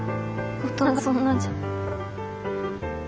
大人がそんなじゃ。